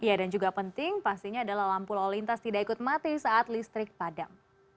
ya dan juga penting pastinya adalah lampu lalu lintas tidak ikut mati saat listrik padam